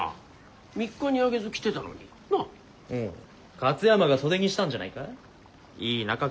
勝山が袖にしたんじゃないか？